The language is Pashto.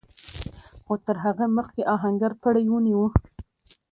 خو تر هغه مخکې آهنګر پړی ونيو.